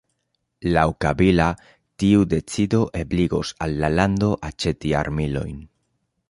Laŭ Kabila, tiu decido ebligos al la lando aĉeti armilojn.